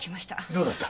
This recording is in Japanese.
どうだった？